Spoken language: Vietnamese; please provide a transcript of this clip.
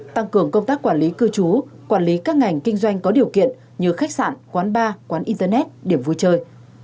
tăng cường công tác quản lý cư trú quản lý các ngành kinh doanh có điều kiện như khách sạn quán bar quán internet điểm vui chơi